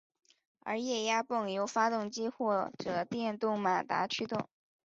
而液压泵由发动机或者电动马达驱动。